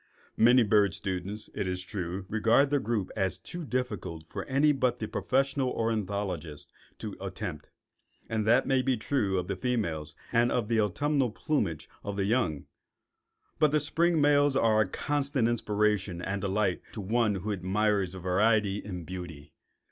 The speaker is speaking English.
Many bird students, it is true, regard the group as too difficult for any but the professional ornithologist to attempt; and that may be true of the females and of the autumnal plumages of the young, but the spring males are a constant inspiration and delight to one who admires variety in beauty.